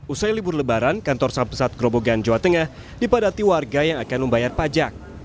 usai libur lebaran kantor sampesat grobogan jawa tengah dipadati warga yang akan membayar pajak